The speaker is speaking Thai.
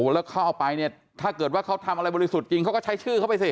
แล้วเขาเอาไปเนี่ยถ้าเกิดว่าเขาทำอะไรบริสุทธิ์จริงเขาก็ใช้ชื่อเขาไปสิ